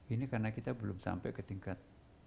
ini karena kita belum sampai ke tingkat